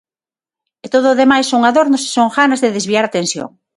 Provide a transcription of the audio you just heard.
E todo o demais son adornos e son ganas de desviar a atención.